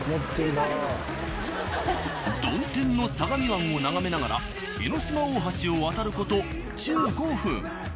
曇天の相模湾を眺めながら江の島大橋を渡る事１５分。